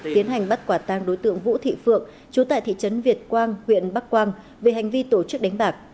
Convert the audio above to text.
tiến hành bắt quả tang đối tượng vũ thị phượng chú tại thị trấn việt quang huyện bắc quang về hành vi tổ chức đánh bạc